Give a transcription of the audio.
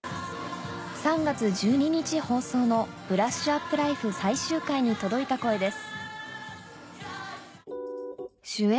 ３月１２日放送の『ブラッシュアップライフ』最終回に届いた声です